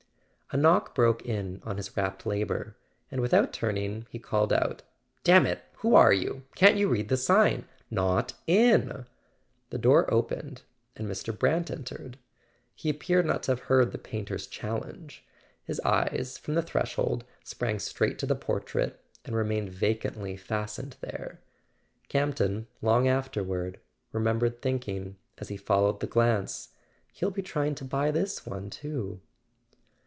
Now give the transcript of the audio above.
A knock broke in on his rapt labour, and without turn¬ ing he called out: "Damn it, who are you? Can't you read the sign ? Not in !" The door opened and Mr. Brant entered. He appeared not to have heard the painter's chal¬ lenge; his eyes, from the threshold, sprang straight to the portrait, and remained vacantly fastened there. Campton, long afterward, remembered thinking, as he followed the glance: "He'll be trying to buy this one too!"